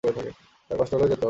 হ্যাঁ, কষ্ট হলেও যেতে হবে।